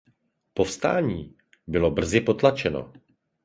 Povstání bylo brzy potlačeno.